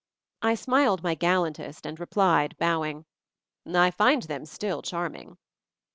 I smiled my gallantest, and replied, bow ing: " I find them still charming."